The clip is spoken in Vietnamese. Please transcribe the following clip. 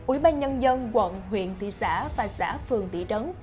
ủy ban nhân dân quận huyện thị xã và xã phường thị trấn